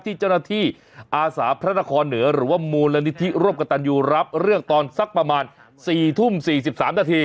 ที่เจ้าหน้าที่อาสาพระนครเหนือหรือว่ามูลนิธิร่วมกับตันยูรับเรื่องตอนสักประมาณ๔ทุ่ม๔๓นาที